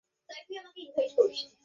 এইজন্য এত মানুষ এইখানে?